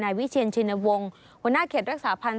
วิเชียนชินวงศ์หัวหน้าเขตรักษาพันธ์